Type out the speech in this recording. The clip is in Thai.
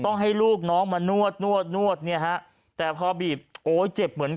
ต้องให้ลูกน้องมานวดนวดนวดเนี่ยฮะแต่พอบีบโอ้ยเจ็บเหมือน